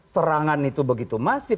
serangan itu begitu masif